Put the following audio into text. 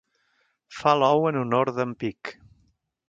Fa l'ou en honor d'en Pich.